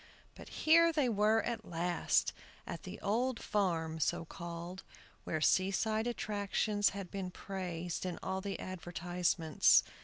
But here they were at last, at the "Old Farm," so called, where seaside attractions had been praised in all the advertisements.